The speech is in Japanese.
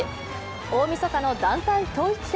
大みそかの団体統一戦。